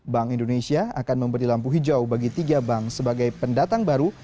bank indonesia akan memberi lampu hijau bagi tiga bank sebagai pendatang baru